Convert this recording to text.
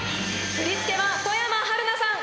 振り付けは外山晴菜さん。